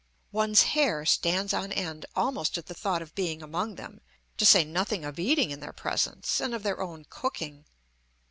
One's hair stands on end almost at the thought of being among them, to say nothing of eating in their presence, and of their own cooking.